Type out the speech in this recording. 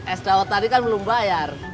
es daot tadi kan belum bayar